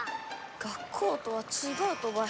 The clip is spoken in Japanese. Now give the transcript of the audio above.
学校とは違うとばい。